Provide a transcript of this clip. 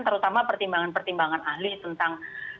terutama pertimbangan pertimbangan ahli tentang